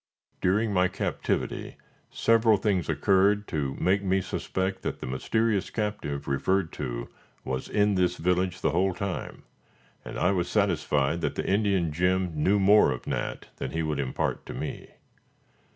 During my captivity, several things occurred to make me suspect that the mysterious captive referred to was in this village the whole time, and I was satisfied that the Indian Jim knew more of Nat than he would impart to me.